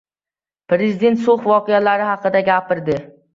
Prezident So‘x voqealari haqida gapirdi